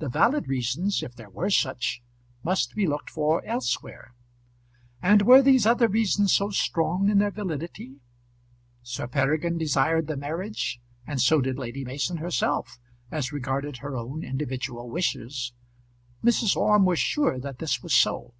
The valid reasons, if there were such, must be looked for elsewhere. And were these other reasons so strong in their validity? Sir Peregrine desired the marriage; and so did Lady Mason herself, as regarded her own individual wishes. Mrs. Orme was sure that this was so.